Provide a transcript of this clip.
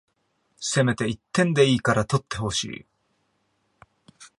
せめて一点でいいから取ってほしい